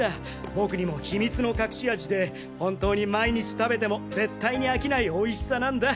僕にも秘密の隠し味で本当に毎日食べてもぜったいに飽きない美味しさなんだ。